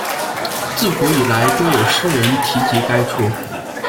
自古以来多有诗人提及该处。